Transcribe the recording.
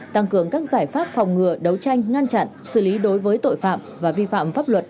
tăng cường các giải pháp phòng ngừa đấu tranh ngăn chặn xử lý đối với tội phạm và vi phạm pháp luật